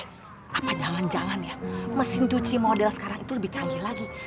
apa jangan jangan ya mesin cuci model sekarang itu lebih canggih lagi